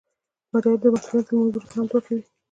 مجاهد د ماسپښین تر لمونځه وروسته هم دعا کوي.